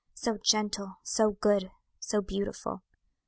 so gentle, so good, so beautiful!"